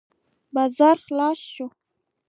بازار خلاص شو.